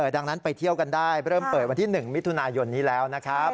ดังนั้นไปเที่ยวกันได้เริ่มเปิดวันที่๑มิถุนายนนี้แล้วนะครับ